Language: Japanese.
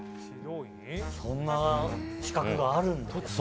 そんな資格があるんだ。